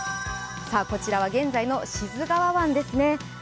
こちらは現在の志津川湾ですね。